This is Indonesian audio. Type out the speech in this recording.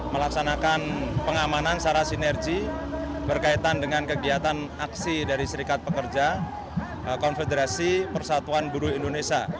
melaksanakan pengamanan secara sinergi berkaitan dengan kegiatan aksi dari serikat pekerja konfederasi persatuan buruh indonesia